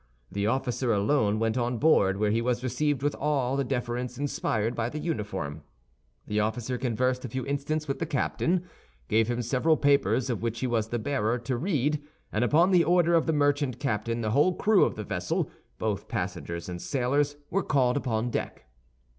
The officer alone went on board, where he was received with all the deference inspired by the uniform. The officer conversed a few instants with the captain, gave him several papers, of which he was the bearer, to read, and upon the order of the merchant captain the whole crew of the vessel, both passengers and sailors, were called upon deck.